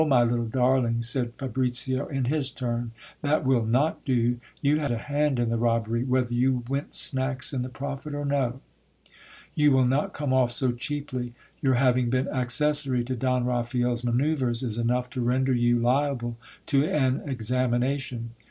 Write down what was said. my little darling, said Fa bricio in his turn, that will not do, you had a hand in the robbery, whether you went snacks in the profit or no. You will not come off so cheaply. Your having been accessary to Don Raphael's manoeuvres is enough to render you liable to an examination.